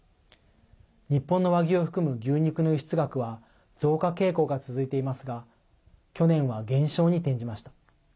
日本の和牛を含む牛肉の輸出額は増加傾向が続いていますが去年は減少に転じました。